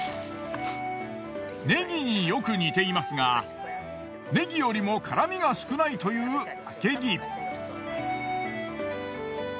ネギによく似ていますがネギよりも辛みが少ないというわけぎ。